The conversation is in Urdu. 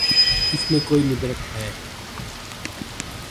اس میں کوئی ندرت ہے۔